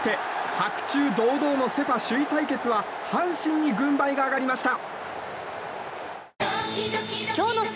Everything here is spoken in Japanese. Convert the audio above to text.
白昼堂々のセ・パ首位対決は阪神に軍配が上がりました。